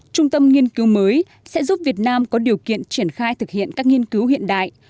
trung tâm nghiên cứu mới sẽ giúp việt nam có điều kiện triển khai thực hiện các nghiên cứu hiện đại